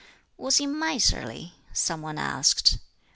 "Was he miserly?" some one asked.